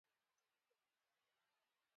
سر يې ورښکل کړ.